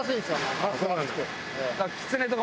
ああそうなんですか。